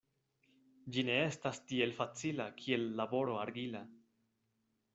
Ĝi ne estas tiel facila, kiel laboro argila.